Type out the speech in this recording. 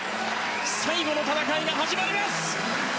最後の戦いが始まります！